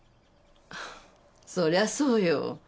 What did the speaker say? そりゃそうよ。